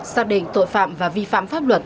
xác định tội phạm và vi phạm pháp luật